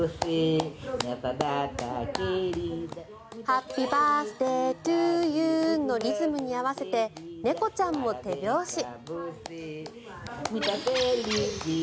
「ハッピーバースデー・トゥ・ユー」のリズムに合わせて猫ちゃんも手拍子。